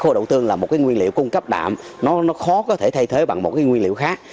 khối đậu tương là nguyên liệu cung cấp đạm nó khó có thể thay thế bằng nguyên liệu khác